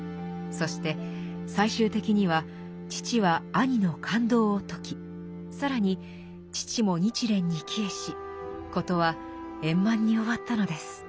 そして最終的には父は兄の勘当を解き更に父も日蓮に帰依し事は円満に終わったのです。